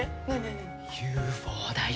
ＵＦＯだよ。